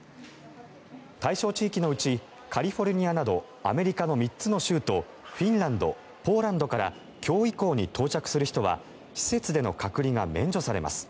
対象地域のうちカリフォルニアなどアメリカの３つの州とフィンランド、ポーランドから今日以降に到着する人は施設での隔離が免除されます。